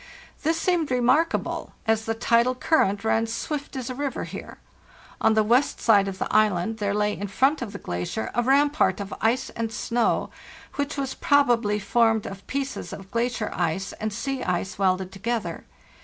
This seemed remarkable, as the tidal cur rent ran swift as a river here. On the west side of the island there lay in front of the glacier a rampart of ice and snow, which was probably formed of pieces of gla cier ice and sea ice welded together.